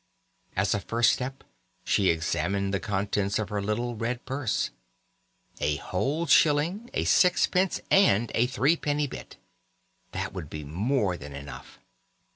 As a first step, she examined the contents of her little red purse. A whole shilling, a sixpence, and a threepenny bit. That would be more than enough.